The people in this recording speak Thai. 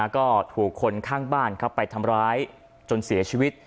ก็ถูกคนข้างบ้านไปทำร้ายจนเสียชีวิต